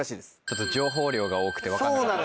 ちょっと情報量が多くて分かんなかった。